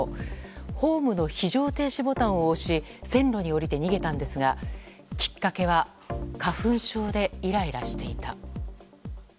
ホームの非常停止ボタンを押し線路に下りて逃げたんですがきっかけは花粉症でイライラしていた。